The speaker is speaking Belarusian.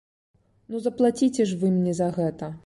Ну заплаціце ж вы мне за гэта!